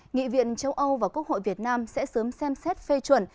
nghị viện châu âu và quốc hội việt nam sẽ sớm xem xét phê chuẩn